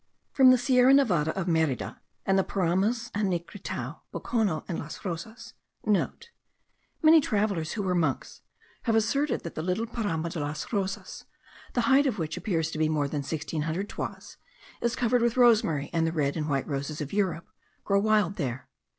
From the Sierra Nevada of Merida, and the paramos of Niquitao, Bocono, and Las Rosas,* (Many travellers, who were monks, have asserted that the little Paramo de Las Rosas, the height of which appears to be more than 1,600 toises, is covered with rosemary, and the red and white roses of Europe grow wild there.